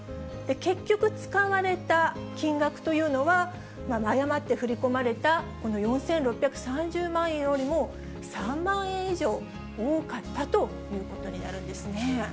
結局、使われた金額というのは、誤って振り込まれたこの４６３０万円よりも３万円以上多かったということになるんですね。